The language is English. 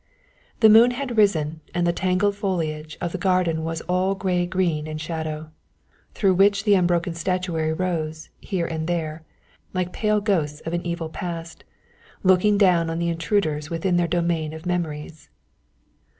The moon had risen and the tangled foliage of the garden was all grey green and shadow, through which the broken statuary rose, here and there, like pale ghosts of an evil past, looking down on the intruders within their domain of memories.